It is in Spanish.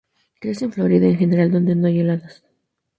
Crece en Florida, en general, donde no hay heladas.